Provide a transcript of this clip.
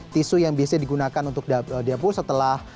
tisu yang biasanya digunakan untuk dapur setelah